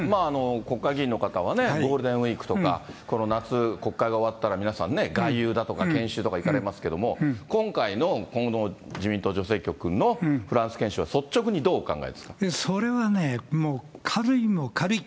国会議員の方はね、ゴールデンウィークとか、この夏、国会が終わったら皆さんね、外遊だとか研修とか行かれますけれども、今回のこの自民党女性局のフランス研修は率直にどうお考えですかそれはもう軽いも軽い。